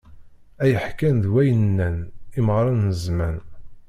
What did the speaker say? Ay ḥkan d way nnan, imɣaṛen n zzman!